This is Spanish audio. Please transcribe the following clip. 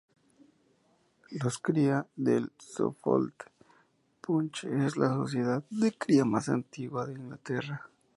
Los cría del Suffolk Punch es la sociedad de cría más antigua de Inglaterra.